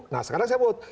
nah sekarang saya sebut